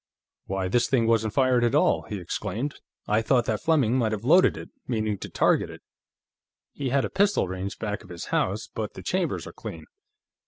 "Why, this thing wasn't fired at all!" he exclaimed. "I thought that Fleming might have loaded it, meaning to target it he had a pistol range back of his house but the chambers are clean."